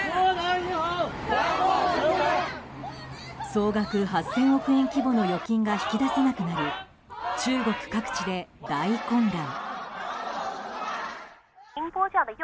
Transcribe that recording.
総額８０００億円規模の預金が引き出せなくなり中国各地で大混乱。